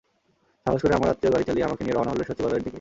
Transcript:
সাহস করে আমার আত্মীয় গাড়ি চালিয়ে আমাকে নিয়ে রওনা হলেন সচিবালয়ের দিকে।